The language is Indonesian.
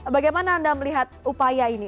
bagaimana anda melihat upaya ini